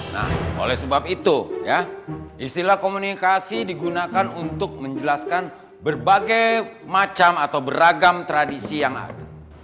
nah oleh sebab itu istilah komunikasi digunakan untuk menjelaskan berbagai macam atau beragam tradisi yang ada